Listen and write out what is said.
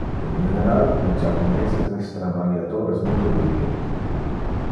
In general, le japoneses es travaliatores multo diligente.